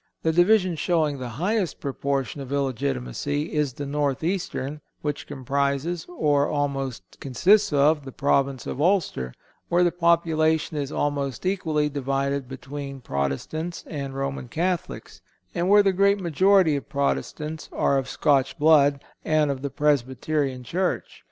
The division showing the highest proportion of illegitimacy is the north eastern, which comprises, or almost consists of, the Province of Ulster, where the population is almost equally divided between Protestants and Roman Catholics, and where the great majority of Protestants are of Scotch blood and of the Presbyterian church.